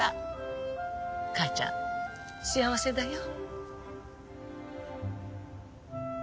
母ちゃん幸せだよ。